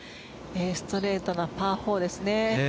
ストレートなパー４ですね。